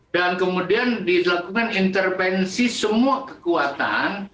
dan kemudian dilakukan intervensi semua kekuatan